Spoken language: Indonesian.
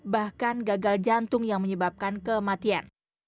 bahkan gagal jantung yang menyebabkan kematian